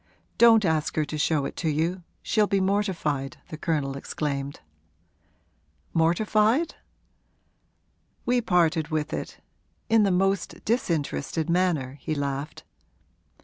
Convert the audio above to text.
'Don't ask her to show it to you she'll be mortified!' the Colonel exclaimed. 'Mortified?' 'We parted with it in the most disinterested manner,' he laughed.